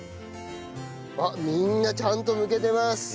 あっみんなちゃんとむけてます。